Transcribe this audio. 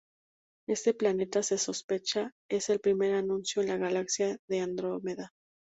Este planeta se sospecha es el primer anuncio en la galaxia de Andrómeda.